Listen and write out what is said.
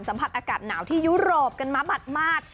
สัมผัสอากาศหนาวที่ยุโรปกันมาบาด